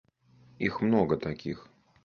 Их много таких.